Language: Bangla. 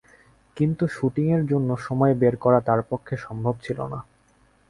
কিন্তু শুটিংয়ের জন্য সময় বের করা তাঁর পক্ষে সম্ভব ছিল না।